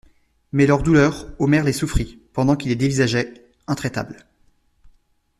Mais leurs douleurs, Omer les souffrit, pendant qu'ils le dévisageaient, intraitables.